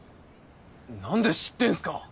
なんで知ってんすか？